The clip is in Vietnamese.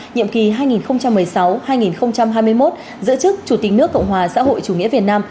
nhiệm kỳ hai nghìn một mươi sáu hai nghìn hai mươi một giữa chức chủ tịch nước cộng hòa xã hội chủ nghĩa việt nam